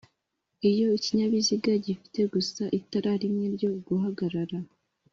Iyo ikinyabiziga gifite gusa itara rimwe ryo guhagarara